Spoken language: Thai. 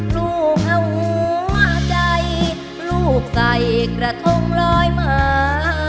ลูกเอาหัวใจลูกใส่กระทงลอยมา